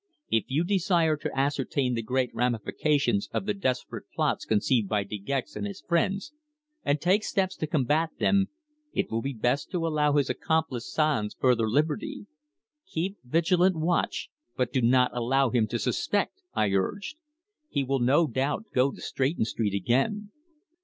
If you desire to ascertain the great ramifications of the desperate plots conceived by De Gex and his friends, and take steps to combat them, it will be best to allow his accomplice Sanz further liberty. Keep vigilant watch, but do not allow him to suspect," I urged. "He will no doubt go to Stretton Street again.